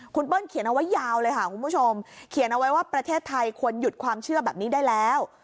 คุณเปิ้ลเขียนเอาไว้ยาวเลยค่ะคุณผู้ชมเขียนเอาไว้ว่าประเทศไทยควรหยุดความเชื่อแบบนี้ได้แล้ว